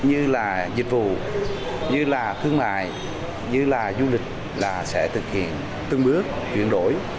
như là dịch vụ như là thương mại như là du lịch là sẽ thực hiện từng bước chuyển đổi